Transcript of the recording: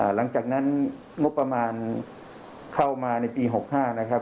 หลังจากนั้นงบประมาณเข้ามาในปี๖๕นะครับ